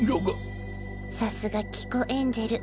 さすが「聞こエンジェル」。